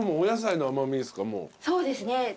そうですね。